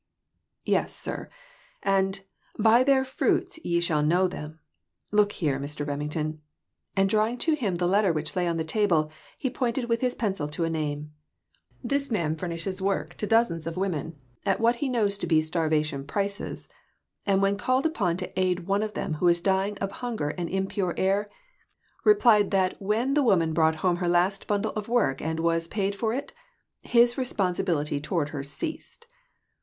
"Yes, sir; and 'By their fruits ye shall know them.' Look here, Mr. Remington" and draw ing to him the letter which lay on the table, he pointed with his pencil to a name "this man furnishes work to dozens of women, at what he knows to be starvation prices ; and when called upon to aid one of them, who is dying of hunger and impure air, he replied that when the woman brought home her last bundle of work and was paid for it, his responsibility toward her ceased.